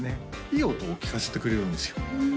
いい音を聴かせてくれるんですよ